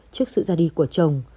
trước sự ra đi của chồng